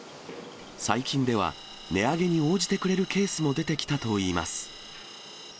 最近では、値上げに応じてくれるケースも出てきたといいます。